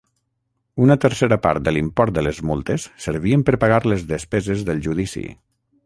Una tercera part de l'import de les multes servien per pagar les despeses del judici.